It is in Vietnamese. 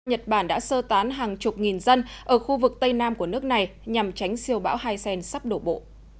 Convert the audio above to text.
nhật bản đã sơ tán hàng chục nghìn dân ở khu vực tây nam của nước này nhằm tránh siêu bão haisen sắp đổ bộ